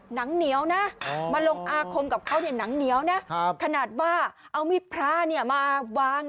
หนังเหนียวนะมาลงอาคมกับเขาเนี่ยหนังเหนียวนะขนาดว่าเอามิดพระมาวาง